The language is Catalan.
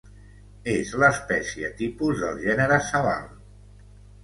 És l'espècie tipus del gènere Sabal.